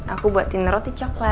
aku buatin roti coklat